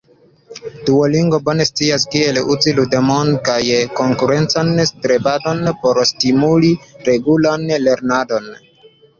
Duolingo bone scias, kiel uzi ludemon kaj konkurencan strebadon por stimuli regulan lernadon.